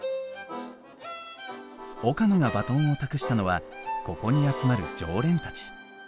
岡野がバトンを託したのはここに集まる常連たち。